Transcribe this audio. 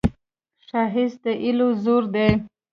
ښایست د هیلو زور دی